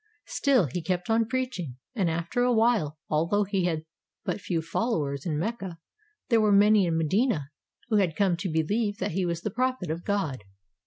Still he kept on preaching, and after a while, although he had but few followers in Mecca, there were many in Medina who had come to believe that he was the prophet of God.